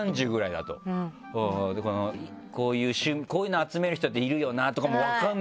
だからこういうの集める人っているよなとかも分かんないから。